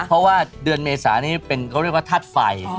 เพราะว่าเดือนเมษานี้เป็นเขาเรียกว่าธาตุไฟ